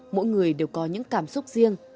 mỗi người đều có những cảm xúc riêng